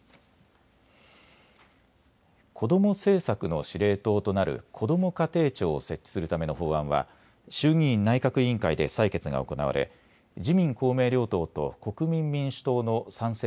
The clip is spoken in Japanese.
子ども政策の司令塔となるこども家庭庁を設置するための法案は衆議院内閣委員会で採決が行われ自民公明両党と国民民主党の賛成